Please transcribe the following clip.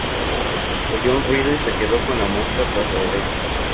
Oyó un ruido y se quedó con la mosca tras la oreja